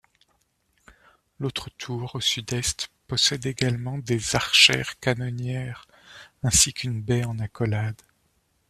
L'autre tour, au sud-est, possède également des archères-canonnières, ainsi qu'une baie en accolade.